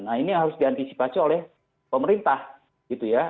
nah ini yang harus diantisipasi oleh pemerintah gitu ya